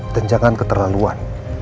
dan jangan keterlaluan